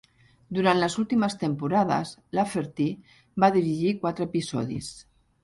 Durant les últimes temporades, Lafferty va dirigir quatre episodis.